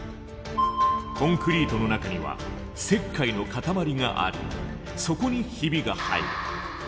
コンクリートの中には石灰のかたまりがありそこにヒビが入る。